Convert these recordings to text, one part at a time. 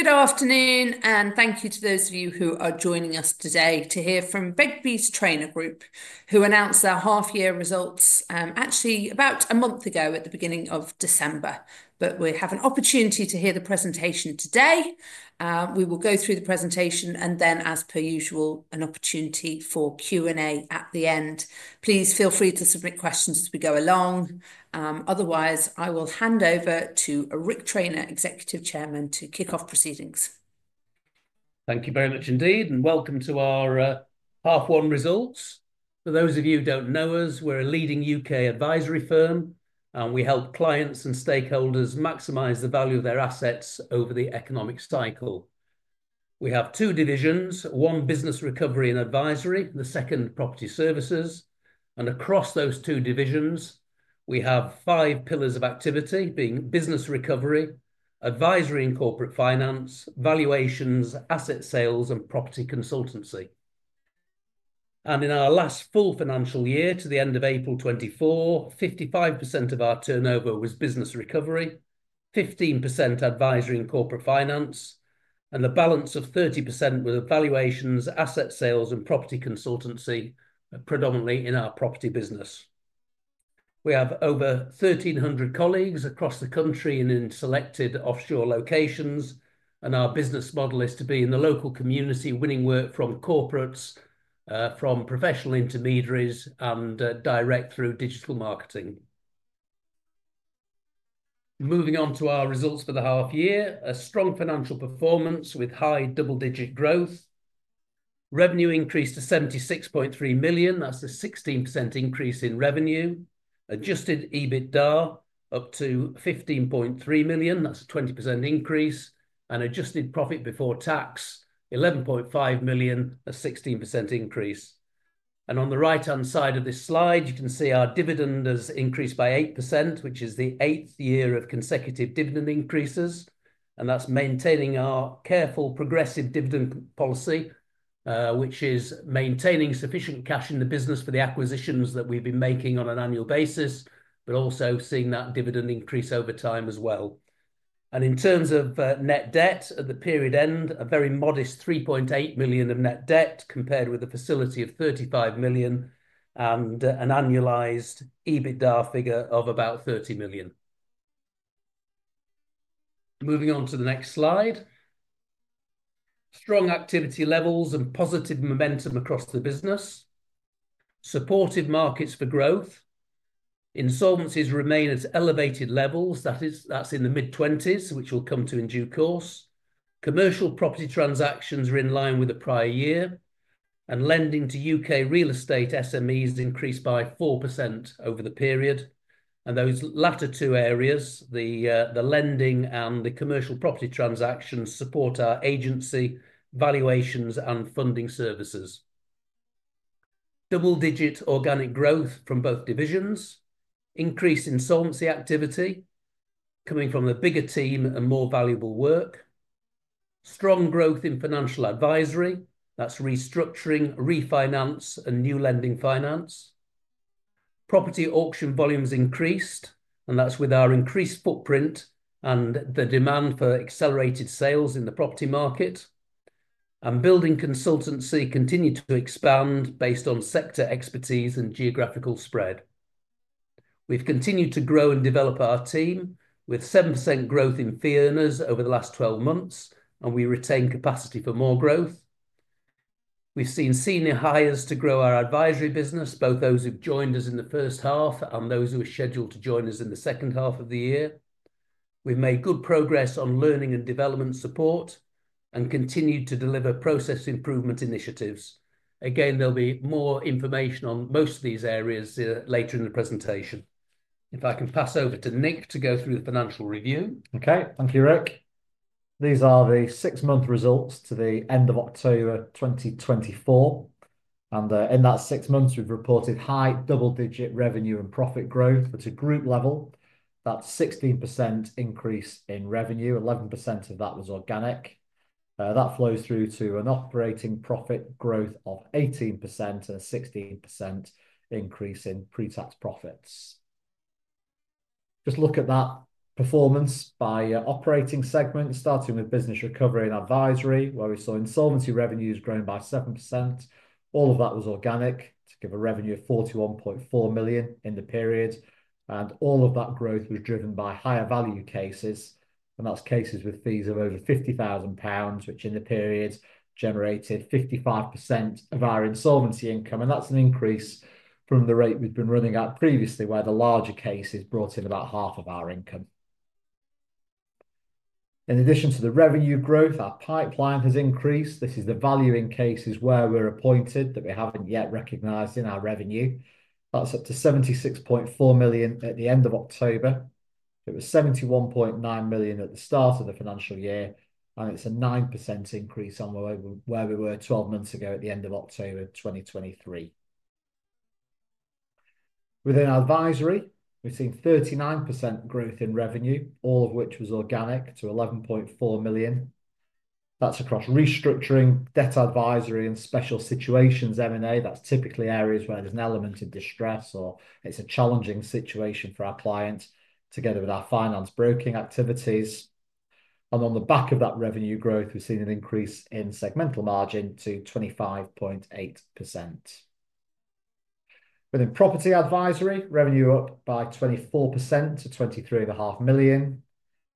Good afternoon, and thank you to those of you who are joining us today to hear from Begbies Traynor Group, who announced their half-year results actually about a month ago at the beginning of December. But we have an opportunity to hear the presentation today. We will go through the presentation and then, as per usual, an opportunity for Q&A at the end. Please feel free to submit questions as we go along. Otherwise, I will hand over to Ric Traynor, Executive Chairman, to kick off proceedings. Thank you very much indeed, and welcome to our half-year results. For those of you who don't know us, we're a leading UK advisory firm, and we help clients and stakeholders maximize the value of their assets over the economic cycle. We have two divisions: one business recovery and advisory, the second property services. And across those two divisions, we have five pillars of activity being business recovery, advisory and corporate finance, valuations, asset sales, and property consultancy. And in our last full financial year, to the end of April 2024, 55% of our turnover was business recovery, 15% advisory and corporate finance, and the balance of 30% was valuations, asset sales, and property consultancy, predominantly in our property business. We have over 1,300 colleagues across the country and in selected offshore locations, and our business model is to be in the local community, winning work from corporates, from professional intermediaries, and direct through digital marketing. Moving on to our results for the half-year: a strong financial performance with high double-digit growth. Revenue increased to £76.3 million. That's a 16% increase in revenue. Adjusted EBITDA up to £15.3 million. That's a 20% increase. And adjusted profit before tax: £11.5 million, a 16% increase. And on the right-hand side of this slide, you can see our dividend has increased by 8%, which is the eighth year of consecutive dividend increases. And that's maintaining our careful progressive dividend policy, which is maintaining sufficient cash in the business for the acquisitions that we've been making on an annual basis, but also seeing that dividend increase over time as well. In terms of net debt at the period end, a very modest 3.8 million of net debt compared with a facility of 35 million and an annualized EBITDA figure of about 30 million. Moving on to the next slide. Strong activity levels and positive momentum across the business. Supportive markets for growth. Insolvencies remain at elevated levels. That is, that's in the mid-20s, which will come to in due course. Commercial property transactions are in line with the prior year. Lending to UK real estate SMEs increased by 4% over the period. Those latter two areas, the lending and the commercial property transactions, support our agency, valuations, and funding services. Double-digit organic growth from both divisions. Increased insolvency activity coming from the bigger team and more valuable work. Strong growth in financial advisory. That's restructuring, refinance, and new lending finance. Property auction volumes increased, and that's with our increased footprint and the demand for accelerated sales in the property market. Building consultancy continued to expand based on sector expertise and geographical spread. We've continued to grow and develop our team with 7% growth in headcount over the last 12 months, and we retain capacity for more growth. We've seen senior hires to grow our advisory business, both those who've joined us in the first half and those who are scheduled to join us in the second half of the year. We've made good progress on learning and development support and continued to deliver process improvement initiatives. Again, there'll be more information on most of these areas later in the presentation. If I can pass over to Nick to go through the financial review. Okay, thank you, Ric. These are the six-month results to the end of October 2024. And in that six months, we've reported high double-digit revenue and profit growth. But at a group level, that's a 16% increase in revenue. 11% of that was organic. That flows through to an operating profit growth of 18% and a 16% increase in pre-tax profits. Just look at that performance by operating segment, starting with business recovery and advisory, where we saw insolvency revenues growing by 7%. All of that was organic to give a revenue of £41.4 million in the period. And all of that growth was driven by higher value cases. And that's cases with fees of over £50,000, which in the period generated 55% of our insolvency income. And that's an increase from the rate we've been running at previously, where the larger cases brought in about half of our income. In addition to the revenue growth, our pipeline has increased. This is the value in cases where we're appointed that we haven't yet recognized in our revenue. That's up to 76.4 million at the end of October. It was 71.9 million at the start of the financial year, and it's a 9% increase on where we were 12 months ago at the end of October 2023. Within advisory, we've seen 39% growth in revenue, all of which was organic to 11.4 million. That's across restructuring, debt advisory, and special situations (M&A). That's typically areas where there's an element of distress or it's a challenging situation for our clients, together with our finance broking activities. And on the back of that revenue growth, we've seen an increase in segmental margin to 25.8%. Within property advisory, revenue up by 24% to 23.5 million.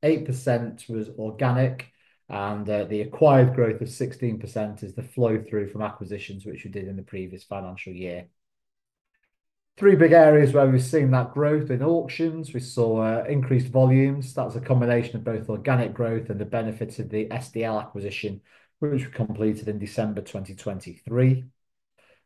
8% was organic, and the acquired growth of 16% is the flow-through from acquisitions which we did in the previous financial year. Three big areas where we've seen that growth in auctions. We saw increased volumes. That was a combination of both organic growth and the benefits of the SDL acquisition, which we completed in December 2023.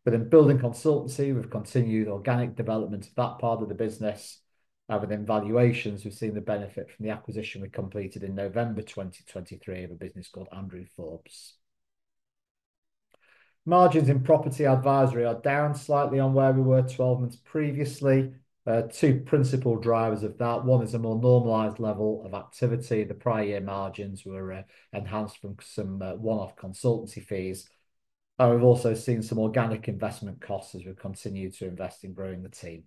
Within building consultancy, we've continued organic development of that part of the business. Within valuations, we've seen the benefit from the acquisition we completed in November 2023 of a business called Andrew Forbes. Margins in property advisory are down slightly on where we were 12 months previously. Two principal drivers of that. One is a more normalized level of activity. The prior year margins were enhanced from some one-off consultancy fees, and we've also seen some organic investment costs as we've continued to invest in growing the team.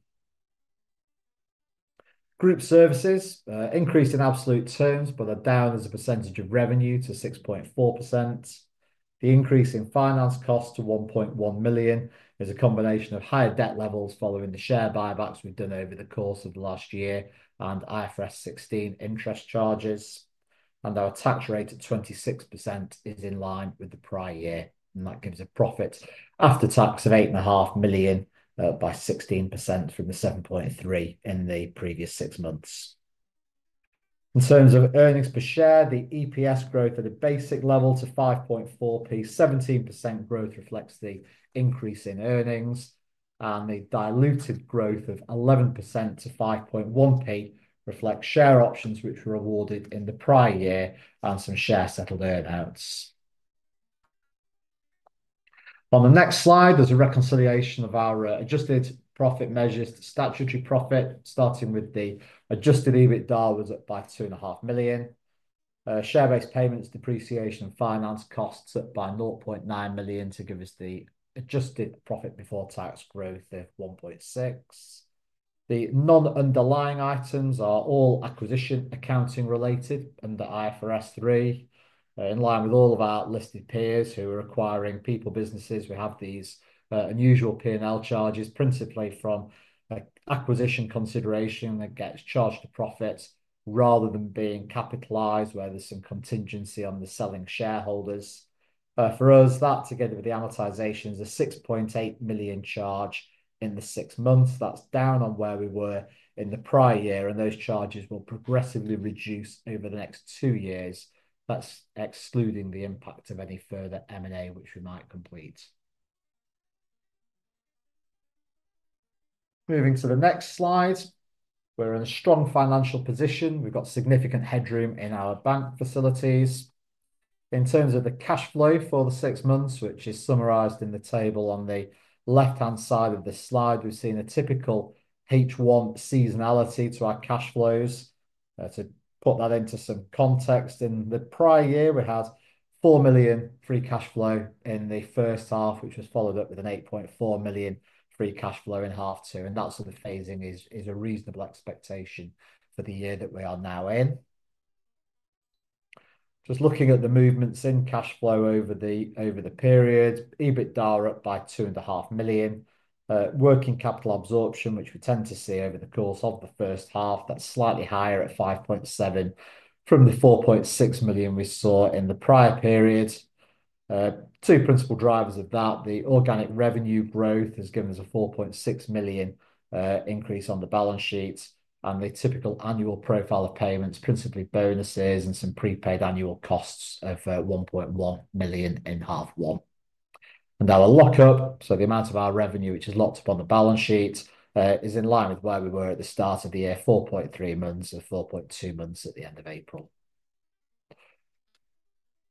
Group services increased in absolute terms, but are down as a percentage of revenue to 6.4%. The increase in finance costs to 1.1 million is a combination of higher debt levels following the share buybacks we've done over the course of the last year and IFRS 16 interest charges. And our tax rate at 26% is in line with the prior year. And that gives a profit after tax of 8.5 million by 16% from the 7.3 million in the previous six months. In terms of earnings per share, the EPS growth at a basic level to 5.4p, 17% growth reflects the increase in earnings. And the diluted growth of 11% to 5.1p reflects share options which were awarded in the prior year and some share-settled earnouts. On the next slide, there's a reconciliation of our adjusted profit measures to statutory profit, starting with the Adjusted EBITDA was up by £2.5 million. Share-based payments, depreciation, and finance costs up by £0.9 million to give us the adjusted profit before tax growth of £1.6 million. The non-underlying items are all acquisition accounting related under IFRS 3. In line with all of our listed peers who are acquiring people businesses, we have these unusual P&L charges principally from acquisition consideration that gets charged to profits rather than being capitalized, where there's some contingency on the selling shareholders. For us, that together with the amortization is a £6.8 million charge in the six months. That's down on where we were in the prior year, and those charges will progressively reduce over the next two years. That's excluding the impact of any further M&A which we might complete. Moving to the next slide. We're in a strong financial position. We've got significant headroom in our bank facilities. In terms of the cash flow for the six months, which is summarized in the table on the left-hand side of this slide, we've seen a typical H1 seasonality to our cash flows. To put that into some context, in the prior year, we had 4 million free cash flow in the first half, which was followed up with an 8.4 million free cash flow in half two. And that sort of phasing is a reasonable expectation for the year that we are now in. Just looking at the movements in cash flow over the period, EBITDA are up by 2.5 million. Working capital absorption, which we tend to see over the course of the first half, that's slightly higher at 5.7 million from the 4.6 million we saw in the prior period. Two principal drivers of that, the organic revenue growth has given us a 4.6 million increase on the balance sheet and the typical annual profile of payments, principally bonuses and some prepaid annual costs of 1.1 million in half one. And our lock-up, so the amount of our revenue which is locked up on the balance sheet, is in line with where we were at the start of the year, 4.3 months or 4.2 months at the end of April.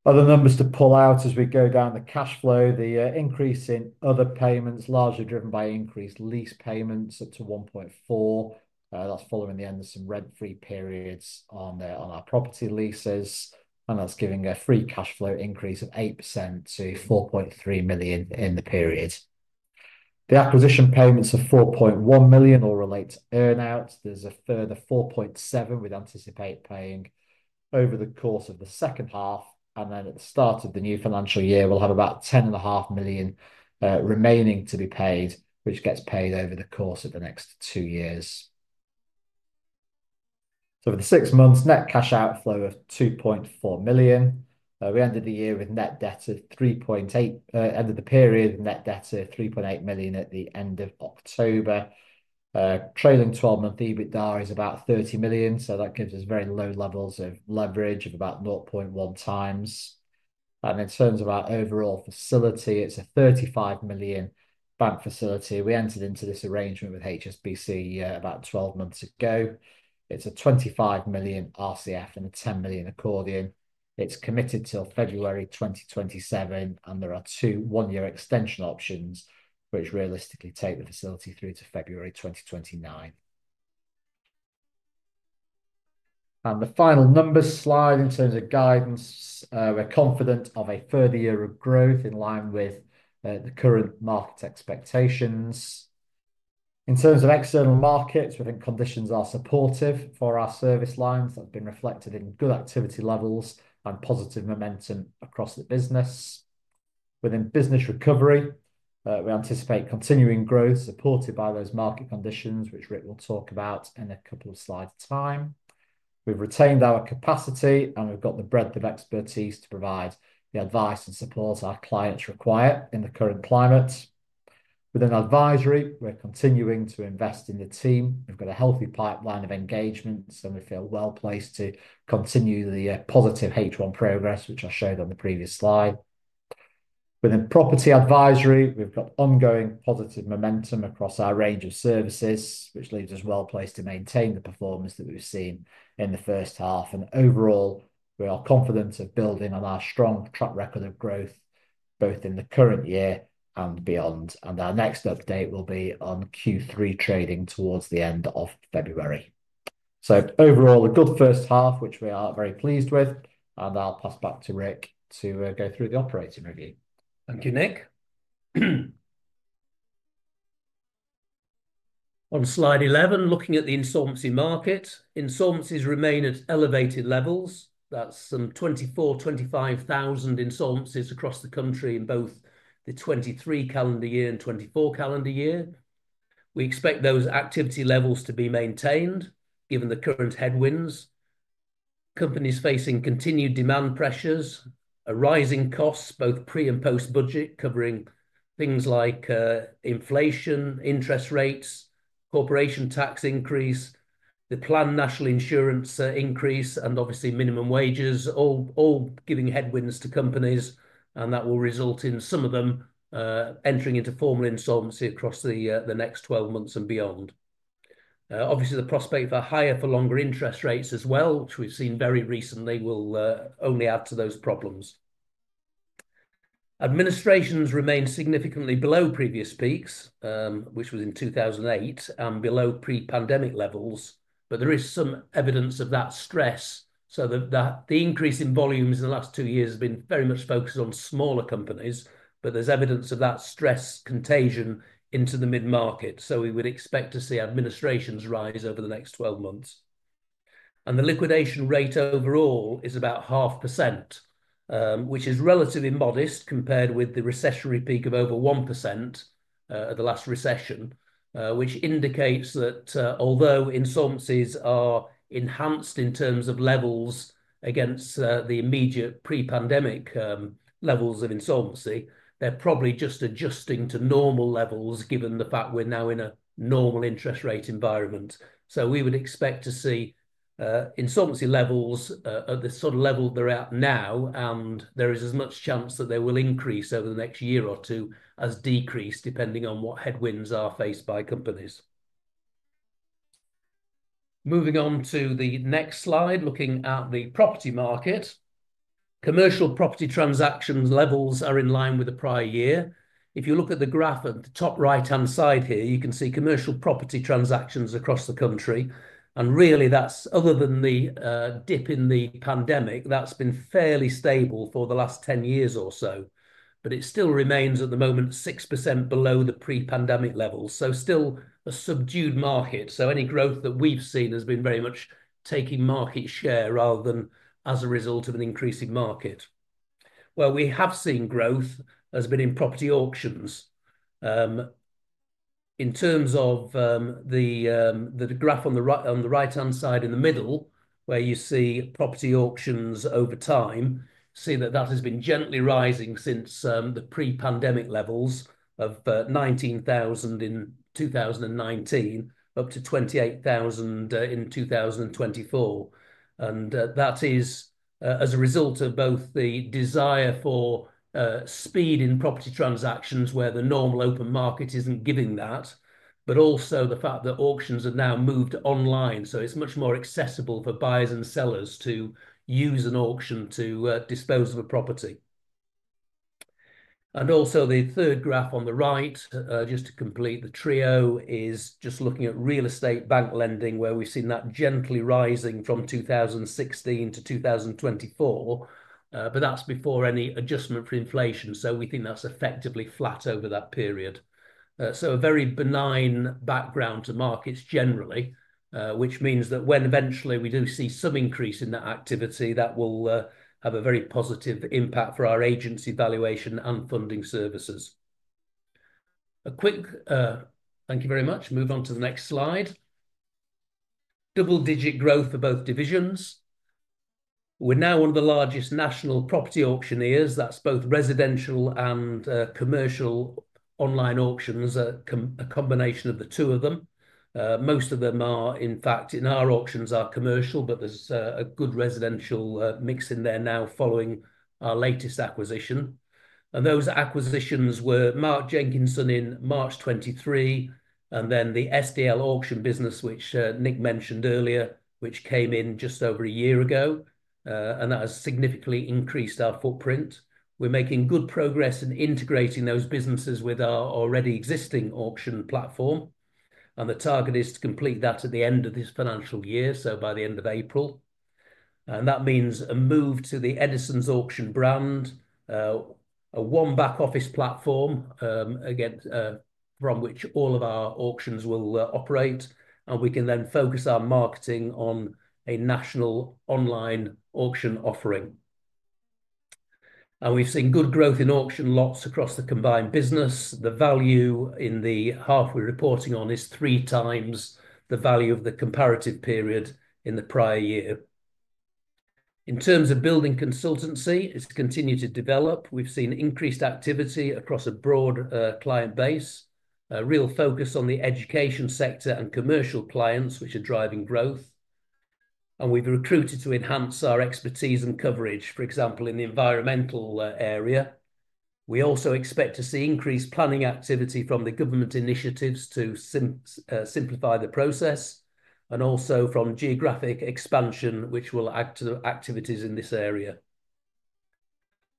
Other numbers to pull out as we go down the cash flow, the increase in other payments largely driven by increased lease payments up to 1.4 million. That's following the end of some rent-free periods on our property leases. That's giving a free cash flow increase of 8% to £4.3 million in the period. The acquisition payments of £4.1 million all relate to earnouts. There's a further £4.7 million we'd anticipate paying over the course of the second half. At the start of the new financial year, we'll have about £10.5 million remaining to be paid, which gets paid over the course of the next two years. For the six months, net cash outflow of £2.4 million. We ended the year with net debt of £3.8 million. End of the period, net debt of £3.8 million at the end of October. Trailing 12-month EBITDA is about £30 million. That gives us very low levels of leverage of about 0.1 times. In terms of our overall facility, it's a £35 million bank facility. We entered into this arrangement with HSBC about 12 months ago. It's a 25 million RCF and a 10 million accordion. It's committed till February 2027, and there are two one-year extension options, which realistically take the facility through to February 2029. And the final numbers slide in terms of guidance, we're confident of a further year of growth in line with the current market expectations. In terms of external markets, we think conditions are supportive for our service lines. That's been reflected in good activity levels and positive momentum across the business. Within business recovery, we anticipate continuing growth supported by those market conditions, which Ric will talk about in a couple of slides' time. We've retained our capacity, and we've got the breadth of expertise to provide the advice and support our clients require in the current climate. Within advisory, we're continuing to invest in the team. We've got a healthy pipeline of engagements, and we feel well placed to continue the positive H1 progress, which I showed on the previous slide. Within property advisory, we've got ongoing positive momentum across our range of services, which leaves us well placed to maintain the performance that we've seen in the first half. And overall, we are confident of building on our strong track record of growth both in the current year and beyond. And our next update will be on Q3 trading towards the end of February. So overall, a good first half, which we are very pleased with. And I'll pass back to Ric to go through the operating review. Thank you, Nick. On slide 11, looking at the insolvency market, insolvencies remain at elevated levels. That's some 24,000 to 25,000 insolvencies across the country in both the 2023 calendar year and 2024 calendar year. We expect those activity levels to be maintained given the current headwinds. Companies facing continued demand pressures, rising costs, both pre and post-Budget, covering things like inflation, interest rates, Corporation Tax increase, the planned National Insurance increase, and obviously minimum wages, all giving headwinds to companies. And that will result in some of them entering into formal insolvency across the next 12 months and beyond. Obviously, the prospect for higher-for-longer interest rates as well, which we've seen very recently, will only add to those problems. Administrations remain significantly below previous peaks, which was in 2008, and below pre-pandemic levels. But there is some evidence of that stress. So that the increase in volumes in the last two years has been very much focused on smaller companies, but there's evidence of that stress contagion into the mid-market, so we would expect to see administrations rise over the next 12 months, and the liquidation rate overall is about 0.5%, which is relatively modest compared with the recessionary peak of over 1% at the last recession, which indicates that although insolvencies are enhanced in terms of levels against the immediate pre-pandemic levels of insolvency, they're probably just adjusting to normal levels given the fact we're now in a normal interest rate environment, so we would expect to see insolvency levels at the sort of level they're at now, and there is as much chance that they will increase over the next year or two as decrease, depending on what headwinds are faced by companies. Moving on to the next slide, looking at the property market. Commercial property transaction levels are in line with the prior year. If you look at the graph at the top right-hand side here, you can see commercial property transactions across the country. And really, that's other than the dip in the pandemic, that's been fairly stable for the last 10 years or so. But it still remains at the moment 6% below the pre-pandemic levels. So still a subdued market. So any growth that we've seen has been very much taking market share rather than as a result of an increasing market. Well, we have seen growth, has been in property auctions. In terms of the graph on the right-hand side in the middle, where you see property auctions over time, see that that has been gently rising since the pre-pandemic levels of 19,000 in 2019 up to 28,000 in 2024. And that is as a result of both the desire for speed in property transactions where the normal open market isn't giving that, but also the fact that auctions have now moved online. So it's much more accessible for buyers and sellers to use an auction to dispose of a property. And also the third graph on the right, just to complete the trio, is just looking at real estate bank lending, where we've seen that gently rising from 2016 to 2024. But that's before any adjustment for inflation. So we think that's effectively flat over that period. So a very benign background to markets generally, which means that when eventually we do see some increase in that activity, that will have a very positive impact for our agency valuation and funding services. A quick thank you very much. Move on to the next slide. Double-digit growth for both divisions. We're now one of the largest national property auctioneers. That's both residential and commercial online auctions, a combination of the two of them. Most of them are, in fact, our auctions are commercial, but there's a good residential mix in there now following our latest acquisition. And those acquisitions were Mark Jenkinson in March 2023, and then the SDL auction business, which Nick mentioned earlier, which came in just over a year ago. And that has significantly increased our footprint. We're making good progress in integrating those businesses with our already existing auction platform. The target is to complete that at the end of this financial year, so by the end of April. That means a move to the Eddisons Auction brand, a one back-office platform from which all of our auctions will operate. We can then focus our marketing on a national online auction offering. We've seen good growth in auction lots across the combined business. The value in the half we're reporting on is three times the value of the comparative period in the prior year. In terms of building consultancy, it's continued to develop. We've seen increased activity across a broad client base, a real focus on the education sector and commercial clients, which are driving growth. We've recruited to enhance our expertise and coverage, for example, in the environmental area. We also expect to see increased planning activity from the government initiatives to simplify the process, and also from geographic expansion, which will add to activities in this area.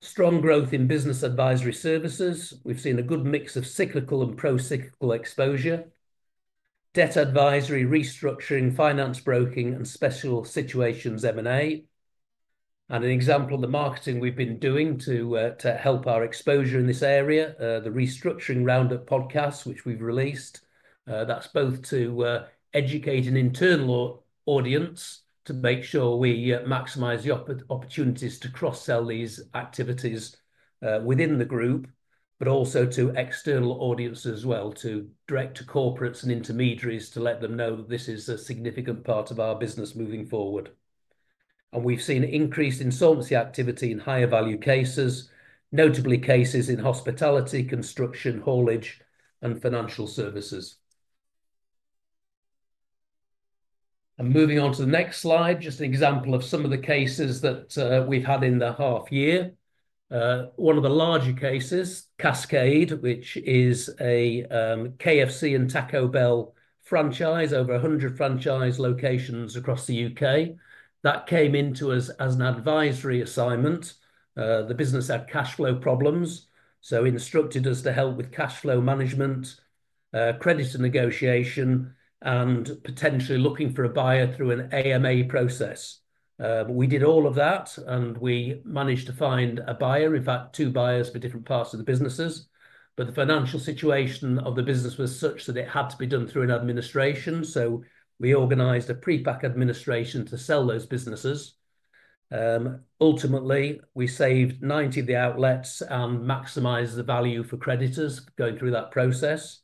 Strong growth in business advisory services. We've seen a good mix of cyclical and pro-cyclical exposure, debt advisory, restructuring, finance broking, and special situations M&A. And an example of the marketing we've been doing to help our exposure in this area, the Restructuring Round Up podcast, which we've released. That's both to educate an internal audience to make sure we maximize the opportunities to cross-sell these activities within the group, but also to external audience as well, to direct to corporates and intermediaries to let them know that this is a significant part of our business moving forward. And we've seen increased insolvency activity in higher value cases, notably cases in hospitality, construction, haulage, and financial services. And moving on to the next slide, just an example of some of the cases that we've had in the half year. One of the larger cases, Caskade, which is a KFC and Taco Bell franchise, over 100 franchise locations across the UK. That came into us as an advisory assignment. The business had cash flow problems, so instructed us to help with cash flow management, credit and negotiation, and potentially looking for a buyer through an AMA process. But we did all of that, and we managed to find a buyer, in fact, two buyers for different parts of the businesses. But the financial situation of the business was such that it had to be done through an administration. So we organized a pre-pack administration to sell those businesses. Ultimately, we saved 90 of the outlets and maximized the value for creditors going through that process.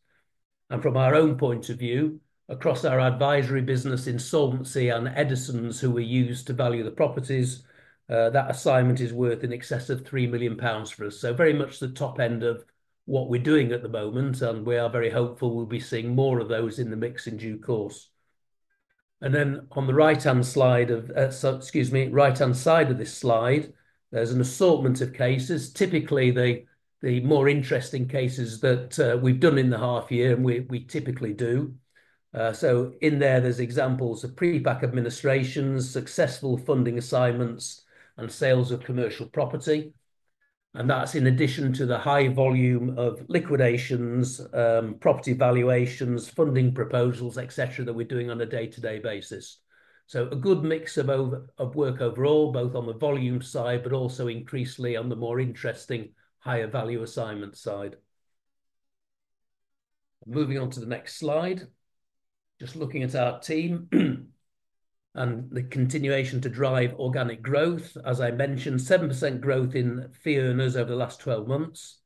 From our own point of view, across our advisory business, insolvency and Eddisons, who we use to value the properties, that assignment is worth in excess of £3 million for us. So very much the top end of what we're doing at the moment. We are very hopeful we'll be seeing more of those in the mix in due course. On the right-hand side of, excuse me, right-hand side of this slide, there's an assortment of cases. Typically, the more interesting cases that we've done in the half year, and we typically do. So in there, there's examples of pre-pack administrations, successful funding assignments, and sales of commercial property. That's in addition to the high volume of liquidations, property valuations, funding proposals, etc., that we're doing on a day-to-day basis. So a good mix of work overall, both on the volume side, but also increasingly on the more interesting higher value assignment side. Moving on to the next slide. Just looking at our team and the continuation to drive organic growth. As I mentioned, 7% growth in the headcount over the last 12 months,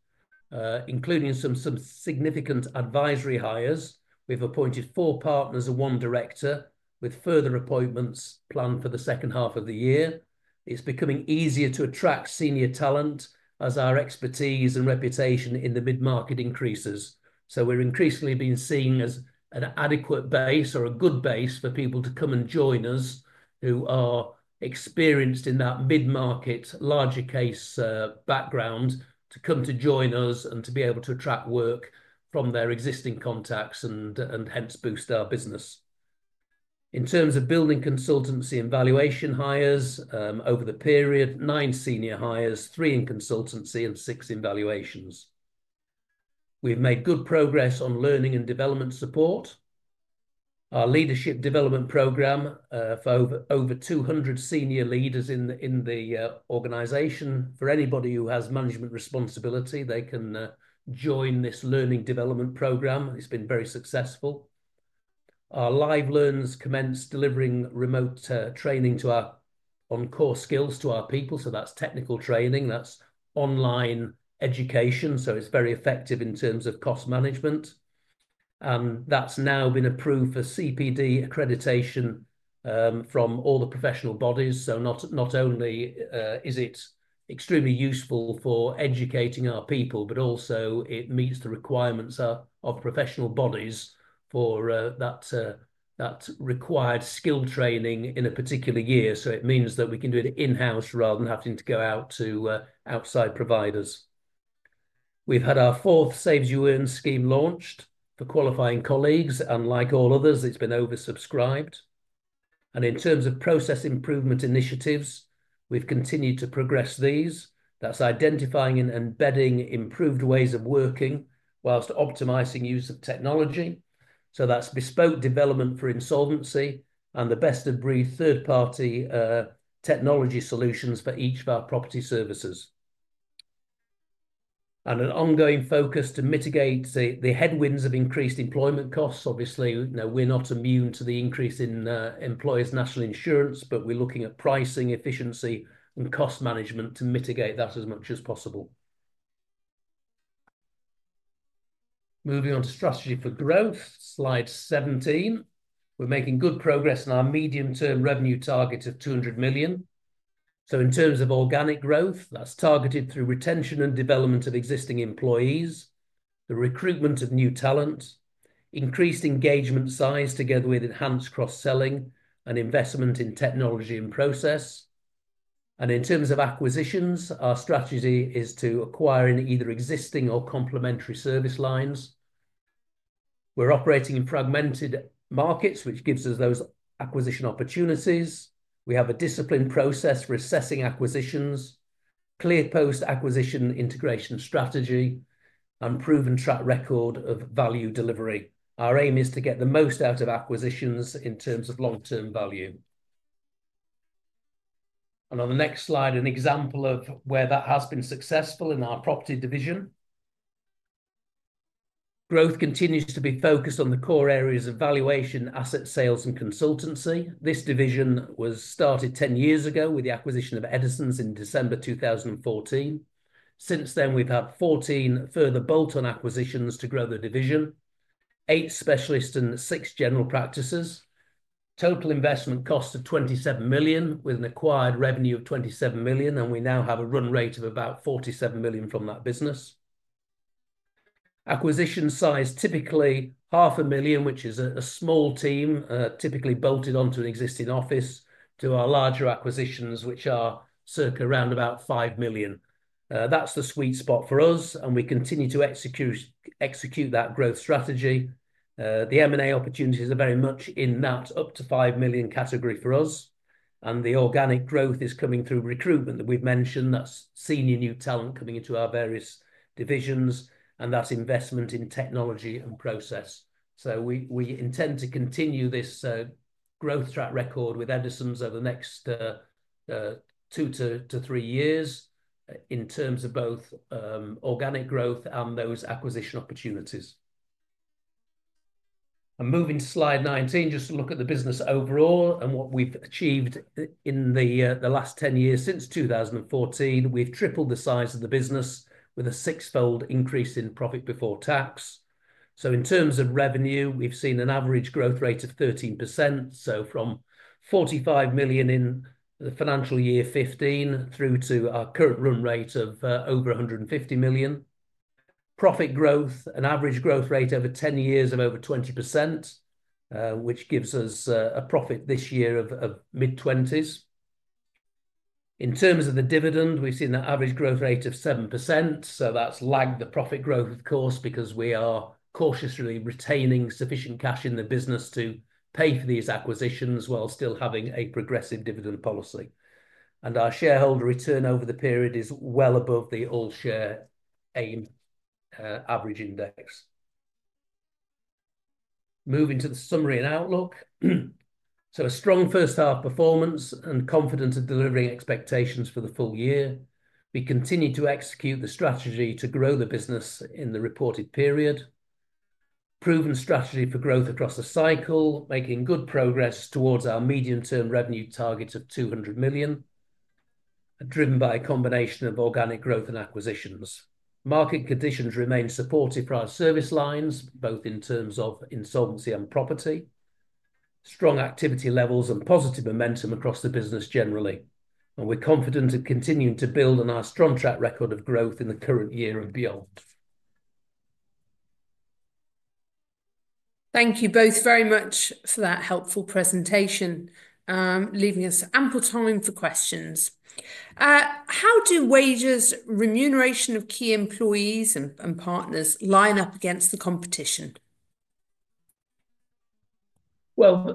including some significant advisory hires. We've appointed four partners and one director, with further appointments planned for the second half of the year. It's becoming easier to attract senior talent as our expertise and reputation in the mid-market increases. So we're increasingly being seen as an adequate base or a good base for people to come and join us who are experienced in that mid-market larger case background to come to join us and to be able to attract work from their existing contacts and hence boost our business. In terms of building consultancy and valuation hires over the period, nine senior hires, three in consultancy and six in valuations. We've made good progress on learning and development support. Our leadership development program for over 200 senior leaders in the organization. For anybody who has management responsibility, they can join this learning development program. It's been very successful. Our Live Learns commence delivering remote training on core skills to our people, so that's technical training. That's online education, so it's very effective in terms of cost management, and that's now been approved for CPD accreditation from all the professional bodies, so not only is it extremely useful for educating our people, but also it meets the requirements of professional bodies for that required skill training in a particular year, so it means that we can do it in-house rather than having to go out to outside providers. We've had our fourth Save As You Earn scheme launched for qualifying colleagues. Unlike all others, it's been oversubscribed. In terms of process improvement initiatives, we've continued to progress these. That's identifying and embedding improved ways of working whilst optimizing use of technology. That's bespoke development for insolvency and the best of breed third-party technology solutions for each of our property services. An ongoing focus to mitigate the headwinds of increased employment costs. Obviously, we're not immune to the increase in employees' National Insurance, but we're looking at pricing, efficiency, and cost management to mitigate that as much as possible. Moving on to strategy for growth, slide 17. We're making good progress in our medium-term revenue target of 200 million. So in terms of organic growth, that's targeted through retention and development of existing employees, the recruitment of new talent, increased engagement size together with enhanced cross-selling and investment in technology and process. And in terms of acquisitions, our strategy is to acquire in either existing or complementary service lines. We're operating in fragmented markets, which gives us those acquisition opportunities. We have a disciplined process for assessing acquisitions, clear post-acquisition integration strategy, and proven track record of value delivery. Our aim is to get the most out of acquisitions in terms of long-term value. And on the next slide, an example of where that has been successful in our property division. Growth continues to be focused on the core areas of valuation, asset sales, and consultancy. This division was started 10 years ago with the acquisition of Eddisons in December 2014. Since then, we've had 14 further bolt-on acquisitions to grow the division, 8 specialists, and 6 general practices. Total investment cost of 27 million with an acquired revenue of 27 million. And we now have a run rate of about 47 million from that business. Acquisition size typically 500,000, which is a small team, typically bolted onto an existing office to our larger acquisitions, which are circa around about 5 million. That's the sweet spot for us. And we continue to execute that growth strategy. The M&A opportunities are very much in that up to 5 million category for us. And the organic growth is coming through recruitment that we've mentioned. That's senior new talent coming into our various divisions. And that's investment in technology and process. So we intend to continue this growth track record with Eddisons over the next two to three years in terms of both organic growth and those acquisition opportunities. And moving to slide 19, just to look at the business overall and what we've achieved in the last 10 years since 2014, we've tripled the size of the business with a six-fold increase in profit before tax. So in terms of revenue, we've seen an average growth rate of 13%. So from 45 million in the financial year 2015 through to our current run rate of over 150 million. Profit growth, an average growth rate over 10 years of over 20%, which gives us a profit this year of mid-20s. In terms of the dividend, we've seen an average growth rate of 7%. So that's lagged the profit growth, of course, because we are cautiously retaining sufficient cash in the business to pay for these acquisitions while still having a progressive dividend policy. And our shareholder return over the period is well above the all-share AIM average index. Moving to the summary and outlook. So a strong first-half performance and confidence of delivering expectations for the full year. We continue to execute the strategy to grow the business in the reported period. Proven strategy for growth across the cycle, making good progress towards our medium-term revenue target of 200 million, driven by a combination of organic growth and acquisitions. Market conditions remain supportive for our service lines, both in terms of insolvency and property. Strong activity levels and positive momentum across the business generally. We're confident of continuing to build on our strong track record of growth in the current year and beyond. Thank you both very much for that helpful presentation, leaving us ample time for questions. How do wages, remuneration of key employees and partners line up against the competition? Well,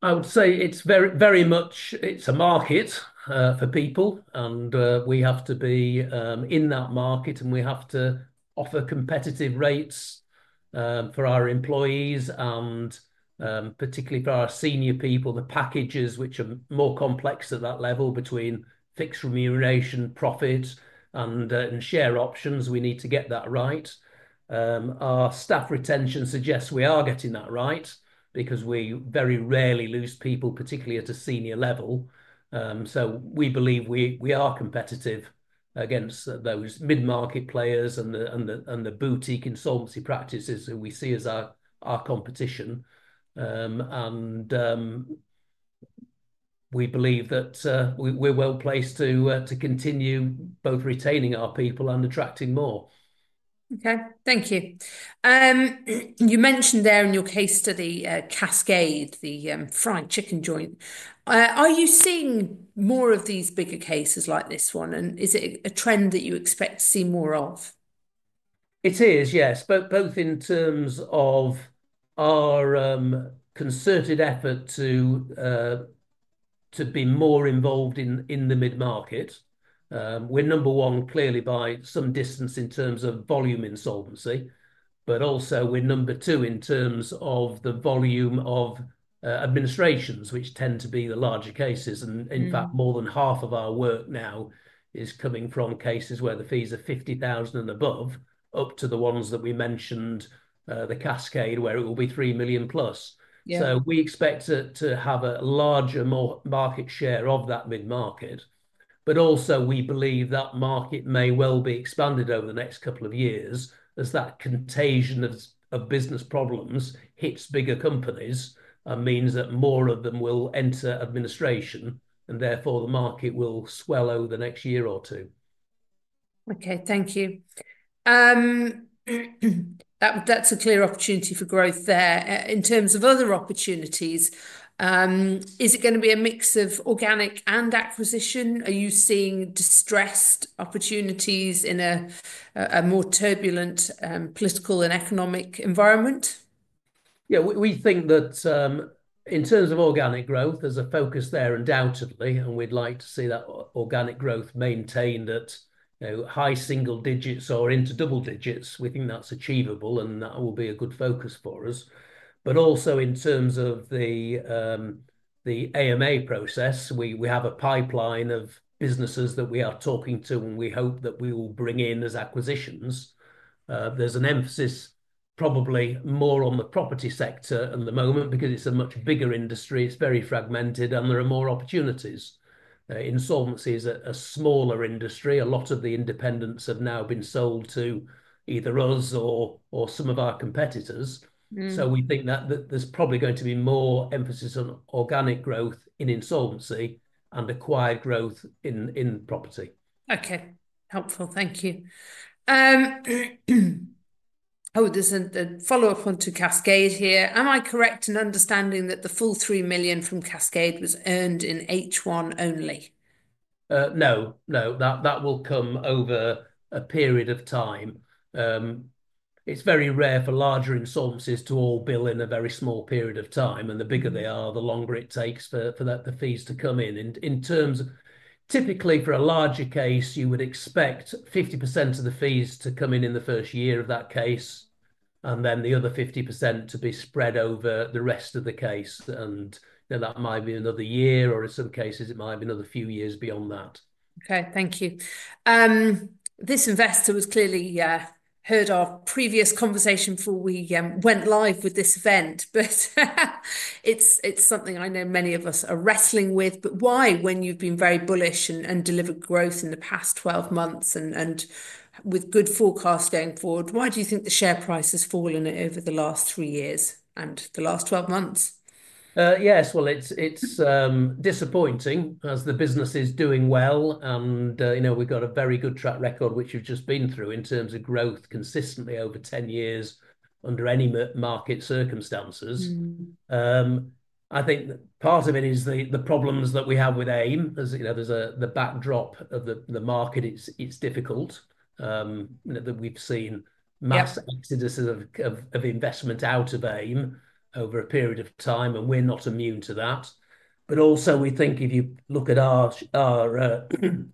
I would say it's very much, it's a market for people. And we have to be in that market, and we have to offer competitive rates for our employees, and particularly for our senior people, the packages, which are more complex at that level between fixed remuneration, profit, and share options. We need to get that right. Our staff retention suggests we are getting that right because we very rarely lose people, particularly at a senior level. So we believe we are competitive against those mid-market players and the boutique insolvency practices that we see as our competition. We believe that we're well placed to continue both retaining our people and attracting more. Okay, thank you. You mentioned there in your case study, Caskade, the fried chicken joint. Are you seeing more of these bigger cases like this one? And is it a trend that you expect to see more of? It is, yes, both in terms of our concerted effort to be more involved in the mid-market. We're number one, clearly, by some distance in terms of volume insolvency. But also, we're number two in terms of the volume of administrations, which tend to be the larger cases. And in fact, more than half of our work now is coming from cases where the fees are £50,000 and above, up to the ones that we mentioned, the Caskade, where it will be £3 million plus. So we expect to have a larger market share of that mid-market. But also, we believe that market may well be expanded over the next couple of years as that contagion of business problems hits bigger companies and means that more of them will enter administration, and therefore, the market will swell over the next year or two. Okay, thank you. That's a clear opportunity for growth there. In terms of other opportunities, is it going to be a mix of organic and acquisition? Are you seeing distressed opportunities in a more turbulent political and economic environment? Yeah, we think that in terms of organic growth, there's a focus there undoubtedly, and we'd like to see that organic growth maintained at high single digits or into double digits. We think that's achievable, and that will be a good focus for us. But also, in terms of the AMA process, we have a pipeline of businesses that we are talking to, and we hope that we will bring in as acquisitions. There's an emphasis probably more on the property sector at the moment because it's a much bigger industry. It's very fragmented, and there are more opportunities. Insolvency is a smaller industry. A lot of the independents have now been sold to either us or some of our competitors. So we think that there's probably going to be more emphasis on organic growth in insolvency and acquired growth in property. Okay, helpful. Thank you. Oh, there's a follow-up one to Caskade here. Am I correct in understanding that the full £3 million from Caskade was earned in H1 only? No, no. That will come over a period of time. It's very rare for larger insolvencies to all bill in a very small period of time, and the bigger they are, the longer it takes for the fees to come in. In terms of typically, for a larger case, you would expect 50% of the fees to come in in the first year of that case, and then the other 50% to be spread over the rest of the case. And that might be another year, or in some cases, it might be another few years beyond that. Okay, thank you. This investor was clearly heard of. Previous conversation before we went live with this event, but it's something I know many of us are wrestling with. But why, when you've been very bullish and delivered growth in the past 12 months and with good forecasts going forward, why do you think the share price has fallen over the last three years and the last 12 months? Yes, well, it's disappointing as the business is doing well. And we've got a very good track record, which we've just been through in terms of growth consistently over 10 years under any market circumstances. I think part of it is the problems that we have with AIM. There's the backdrop of the market. It's difficult that we've seen mass exoduses of investment out of AIM over a period of time, and we're not immune to that. But also, we think if you look at our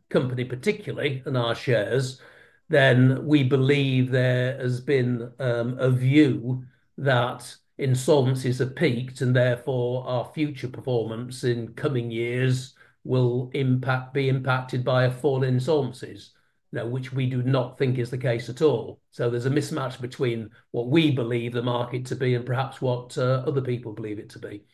company particularly and our shares, then we believe there has been a view that insolvencies have peaked and therefore our future performance in coming years will be impacted by a fall in insolvencies, which we do not think is the case at all. So there's a mismatch between what we believe the market to be and perhaps what other people believe it to be.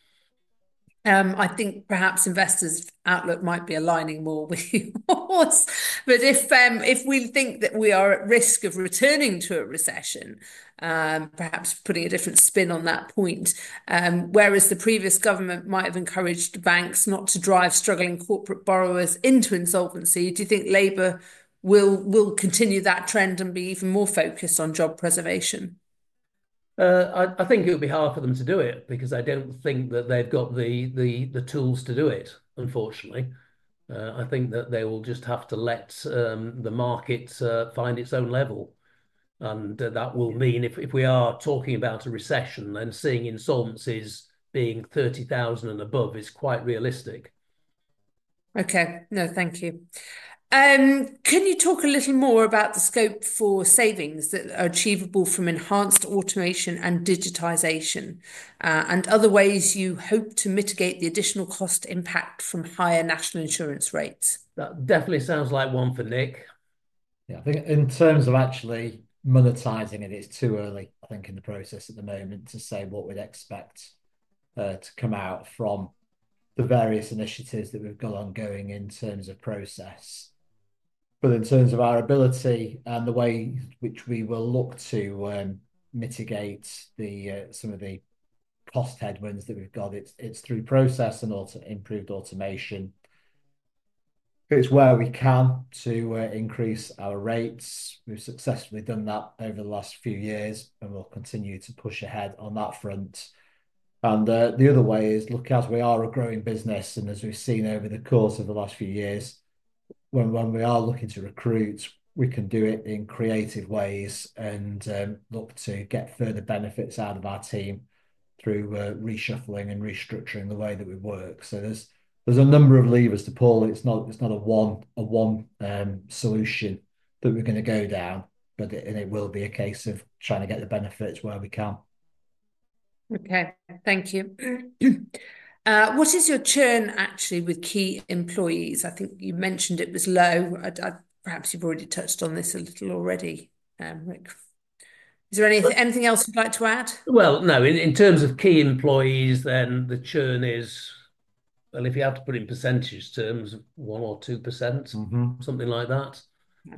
I think perhaps investors' outlook might be aligning more with yours. But if we think that we are at risk of returning to a recession, perhaps putting a different spin on that point, whereas the previous government might have encouraged banks not to drive struggling corporate borrowers into insolvency, do you think Labour will continue that trend and be even more focused on job preservation? I think it would be hard for them to do it because I don't think that they've got the tools to do it, unfortunately. I think that they will just have to let the market find its own level, and that will mean if we are talking about a recession, then seeing insolvencies being 30,000 and above is quite realistic. Okay, no, thank you. Can you talk a little more about the scope for savings that are achievable from enhanced automation and digitization and other ways you hope to mitigate the additional cost impact from higher National Insurance rates? That definitely sounds like one for Nick. Yeah, I think in terms of actually monetizing it, it's too early, I think, in the process at the moment to say what we'd expect to come out from the various initiatives that we've got ongoing in terms of process. But in terms of our ability and the way which we will look to mitigate some of the cost headwinds that we've got, it's through process and also improved automation. It's where we can to increase our rates. We've successfully done that over the last few years, and we'll continue to push ahead on that front. And the other way is look at us. We are a growing business, and as we've seen over the course of the last few years, when we are looking to recruit, we can do it in creative ways and look to get further benefits out of our team through reshuffling and restructuring the way that we work. So there's a number of levers to pull. It's not a one solution that we're going to go down, but it will be a case of trying to get the benefits where we can. Okay, thank you. What is your churn actually with key employees? I think you mentioned it was low. Perhaps you've already touched on this a little already. Is there anything else you'd like to add? Well, no, in terms of key employees, then the churn is, well, if you have to put it in percentage terms, one or two%, something like that.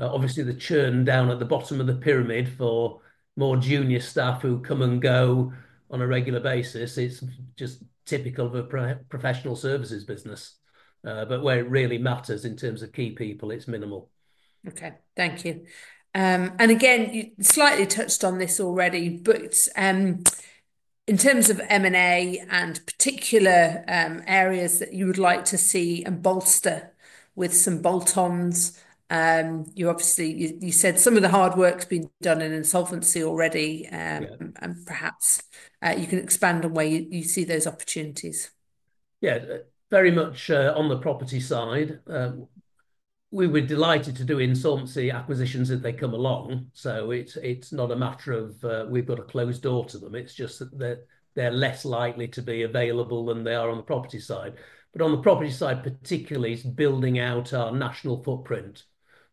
Obviously, the churn down at the bottom of the pyramid for more junior staff who come and go on a regular basis, it's just typical of a professional services business. But where it really matters in terms of key people, it's minimal. Okay, thank you. And again, you slightly touched on this already, but in terms of M&A and particular areas that you would like to see and bolster with some bolt-ons, you obviously said some of the hard work has been done in insolvency already, and perhaps you can expand on where you see those opportunities. Yeah, very much on the property side. We were delighted to do insolvency acquisitions as they come along. So it's not a matter of we've got a closed door to them. It's just that they're less likely to be available than they are on the property side. But on the property side particularly, it's building out our national footprint.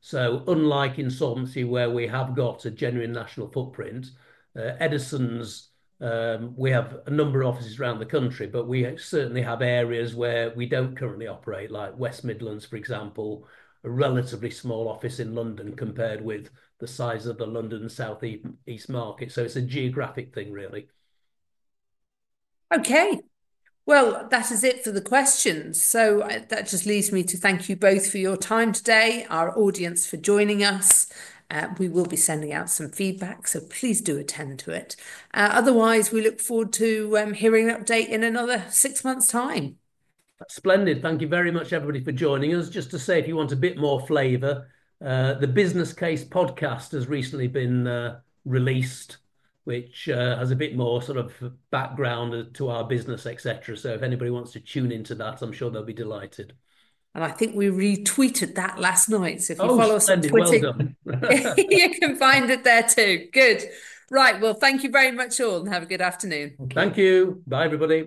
So unlike insolvency, where we have got a genuine national footprint, Eddisons, we have a number of offices around the country, but we certainly have areas where we don't currently operate, like West Midlands, for example, a relatively small office in London compared with the size of the London South East market. So it's a geographic thing, really. Okay, well, that is it for the questions. So that just leads me to thank you both for your time today, our audience for joining us. We will be sending out some feedback, so please do attend to it. Otherwise, we look forward to hearing an update in another six months' time. That's splendid. Thank you very much, everybody, for joining us. Just to say, if you want a bit more flavor, the Business Case podcast has recently been released, which has a bit more sort of background to our business, etc. So if anybody wants to tune into that, I'm sure they'll be delighted. And I think we retweeted that last night, so if you follow us on Twitter, you can find it there too. Good. Right, well, thank you very much all, and have a good afternoon. Thank you. Bye, everybody.